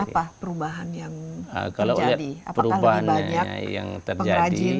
apa perubahan yang terjadi apakah lebih banyak pengrajin